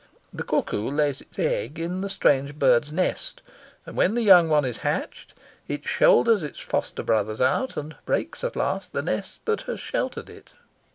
The cuckoo lays its egg in the strange bird's nest, and when the young one is hatched it shoulders its foster brothers out and breaks at last the nest that has sheltered it.